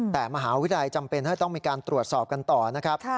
แต่มหาวิทยาลัยจำเป็นให้ต้องมีการตรวจสอบกันต่อนะครับ